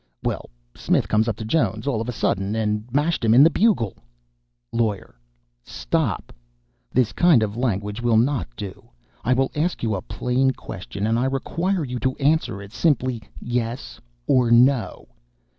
Well, Smith comes up to Jones all of a sudden and mashed him in the bugle " LAWYER. "Stop! Witness, this kind of language will not do. I will ask you a plain question, and I require you to answer it simply, yes or no.